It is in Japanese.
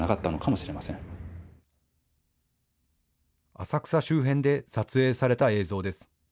浅草周辺で撮影された映像です。